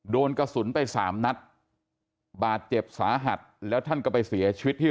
โดนกระสุนไปสามนัดบาดเจ็บสาหัสแล้วท่านก็ไปเสียชีวิตที่